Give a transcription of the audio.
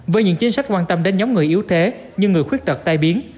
với những chính sách quan tâm đến nhóm người yếu thế như người khuyết tật tai biến